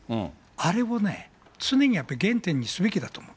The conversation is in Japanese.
あれをね、常にやっぱり原点にすべきだったと思う。